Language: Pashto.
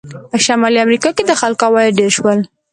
په شمالي امریکا کې د خلکو عواید ډېر شول.